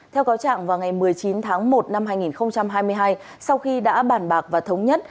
theo cáo trạng vào ngày một mươi chín tháng một năm hai nghìn hai mươi hai sau khi đã bản bạc và thống nhất